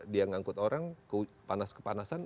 dia mengangkut orang kepanas kepanasan